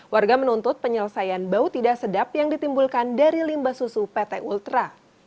warga menuntut penyelesaian bau tidak sedap yang ditimbulkan dari limbah susu pt ultra